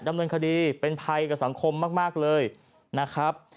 ดำเนินคดีเป็นภัยกับสังคมมากเลยนะครับ